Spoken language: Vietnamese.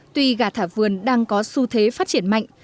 tuy gà thả vườn đang có xu thế phát triển mạnh